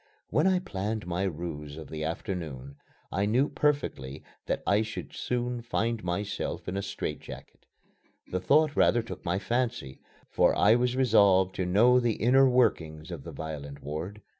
When I planned my ruse of the afternoon, I knew perfectly that I should soon find myself in a strait jacket. The thought rather took my fancy, for I was resolved to know the inner workings of the violent ward.